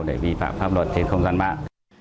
để vi phạm pháp luật trên không gian mạng